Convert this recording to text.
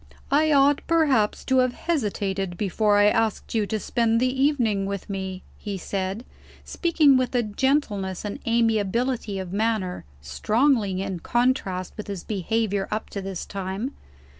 "I ought perhaps to have hesitated, before I asked you to spend the evening with me," he said, speaking with a gentleness and amiability of manner, strongly in contrast with his behavior up to this time.